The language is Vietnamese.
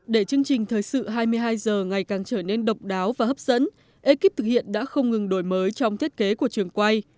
để chương trình thời sự hai mươi hai h ngày càng trở nên độc đáo và hấp dẫn ekip thực hiện đã không ngừng đổi mới trong thiết kế của trường quay